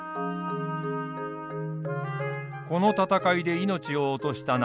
この戦いで命を落とした長照。